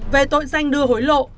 về tội danh đưa hối lộ